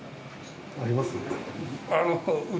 ありますね。